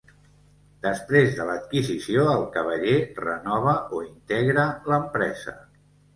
Després de l'adquisició, el cavaller renova o integra l'empresa.